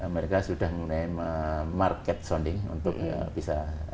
mereka sudah mulai market sounding untuk bisa